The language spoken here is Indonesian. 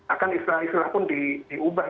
akan istilah istilah pun diubah